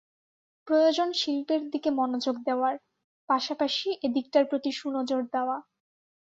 প্রয়োজন শিল্পের দিকে মনোযোগ দেওয়ার পাশাপাশি এ দিকটার প্রতি সুনজর দেওয়া।